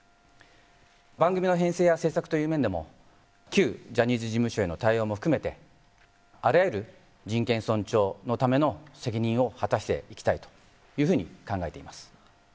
番組の編成や制作という面でも旧ジャニーズ事務所への対応も含めてあらゆる人権尊重のための責任を果たしていきたいというふうに考えています。